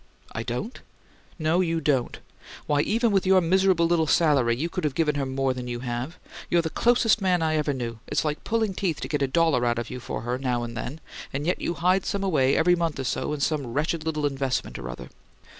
"I don't?" "No; you don't. Why, even with your miserable little salary you could have given her more than you have. You're the closest man I ever knew: it's like pulling teeth to get a dollar out of you for her, now and then, and yet you hide some away, every month or so, in some wretched little investment or other.